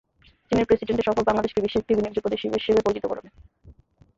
চীনের প্রেসিডেন্টের সফর বাংলাদেশকে বিশ্বে একটি বিনিয়োগযোগ্য দেশ হিসেবে পরিচিত করাবে।